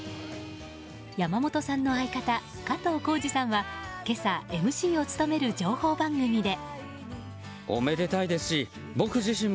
山本さんの相方、加藤浩次さんは今朝、ＭＣを務める情報番組で。